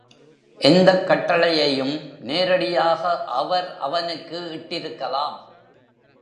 எந்தக் கட்டளையையும் நேரடியாக அவர் அவனுக்கு இட்டிருக்கலாம்.